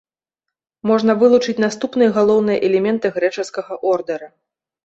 Можна вылучыць наступныя галоўныя элементы грэчаскага ордара.